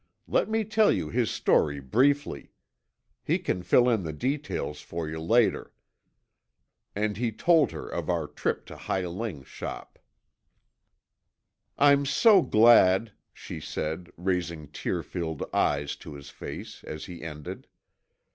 Let me tell you his story briefly. He can fill in the details for you later," and he told her of our trip to Hi Ling's shop. "I'm so glad," she said, raising tear filled eyes to his face as he ended.